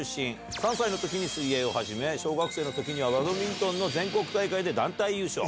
３歳のときに水泳を始め、小学生のときにはバドミントンの全国大会で団体優勝。